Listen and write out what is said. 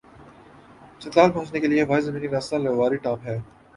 چترال پہنچنے کے لئے واحد زمینی راستہ لواری ٹاپ ہے ۔